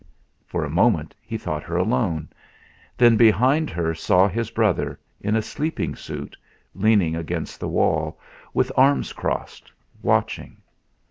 For a moment he thought her alone; then behind her saw his brother in a sleeping suit, leaning against the wall, with arms crossed, watching.